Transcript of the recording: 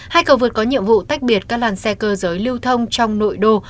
hai cầu vượt có nhiệm vụ tách biệt các làn xe cơ giới lưu thông trong nội đô